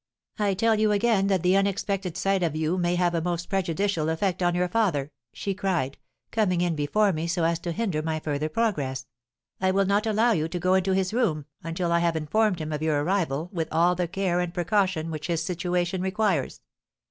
"'I tell you again that the unexpected sight of you may have a most prejudicial effect on your father!' she cried, coming before me so as to hinder my further progress; 'I will not allow you to go into his room, until I have informed him of your arrival with all the care and precaution which his situation requires.'